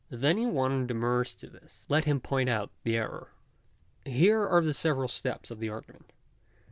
If any one demurs to this, let him point out the error. Here are the several steps of the argument.